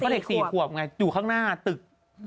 เด็ก๔ขวบไงอยู่ข้างหน้าตึก